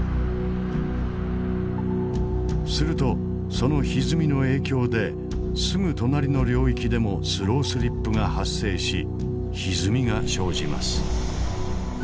するとそのひずみの影響ですぐ隣の領域でもスロースリップが発生しひずみが生じます。